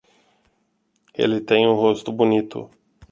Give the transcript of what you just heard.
Ele tem um rosto bonito.